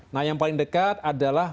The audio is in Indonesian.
nah yang paling dekat adalah